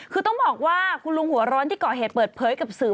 คือต้องบอกว่าคุณลุงหัวร้อนที่ก่อเหตุเปิดเผยกับสื่อ